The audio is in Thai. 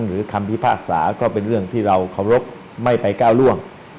คำพิพากษาก็เป็นเรื่องที่เราเคารพไม่ไปก้าวร่วง